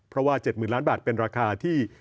เพราะว่า๗๐๐ล้านบาทเป็นราคาที่